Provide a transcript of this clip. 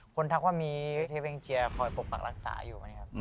คนทักว่ามีเทพเฮ่งเจียคอยปกปรักรักษาอยู่